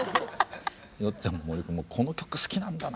よっちゃん「この曲好きなんだな